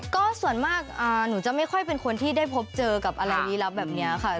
ก็ส่วนมากหนูจะไม่ค่อยเป็นคนที่ได้พบเจอกับอะไรลี้ลับแบบนี้ค่ะ